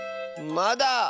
まだ。